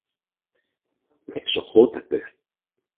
Εξοχώτατε!